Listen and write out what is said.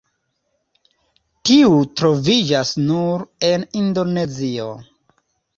Tiu troviĝas nur en Indonezio.